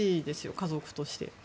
家族として。